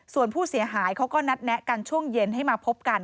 ส่วนผู้เสียหายเขาก็นัดแนะกันช่วงเย็นให้มาพบกัน